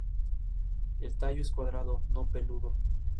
El tallo es cuadrado, no peludo.